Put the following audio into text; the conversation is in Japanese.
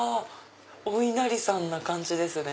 おいなりさんな感じですね。